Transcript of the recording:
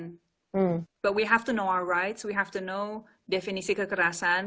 tapi kita harus tahu hak kita kita harus tahu definisi kekerasan